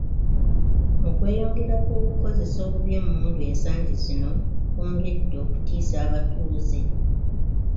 Okweyongera kw'okukozesa obubi emmundu ensangi zino kwongedde okutiisa abatuuze.